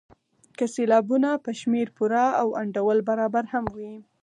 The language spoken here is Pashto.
که سېلابونه په شمېر پوره او انډول برابر هم وي.